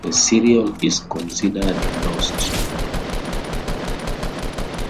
This serial is considered lost.